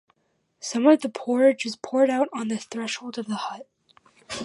Some of the porridge is poured out on the threshold of the hut.